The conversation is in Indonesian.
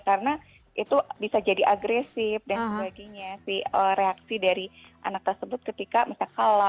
karena itu bisa jadi agresif dan sebagainya sih reaksi dari anak tersebut ketika misalnya kalah